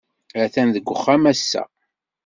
Atan deg uxxam ass-a.